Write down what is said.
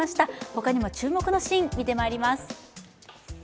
他にも注目のシーン見てまいります。